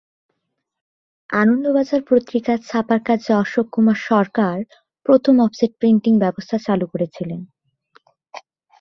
আনন্দবাজার পত্রিকা ছাপার কাজে অশোক কুমার সরকার প্রথম অফসেট প্রিন্টিং ব্যবস্থা চালু করেছিলেন।